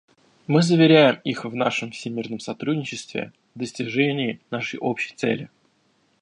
Мы заверяем их в нашем всемерном сотрудничестве в достижении нашей общей цели.